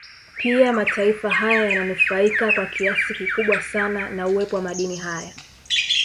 Pia mataifa haya yananufaika kwa kiasi kikubwa sana na uwepo wa madini haya